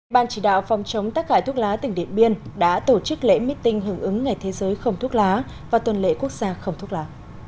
ban chỉ đạo phòng chống tác hại thuốc lá tỉnh điện biên đã tổ chức lễ meeting hưởng ứng ngày thế giới không thuốc lá và tuần lễ quốc gia không thuốc lá